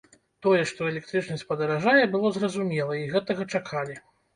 Тое, што электрычнасць падаражае, было зразумела і гэтага чакалі.